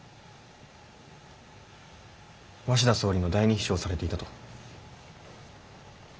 鷲田総理の第二秘書をされていたと。